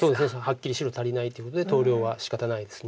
はっきり白足りないということで投了はしかたないです。